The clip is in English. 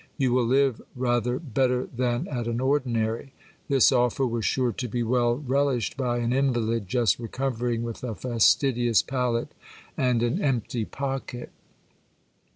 You will live rather better than at an ordinary. This offer was sure to be well relished by an invalid just recovering with a fastidious palate and an empty pocket.